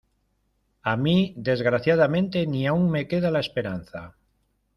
a mí, desgraciadamente , ni aun me queda la esperanza.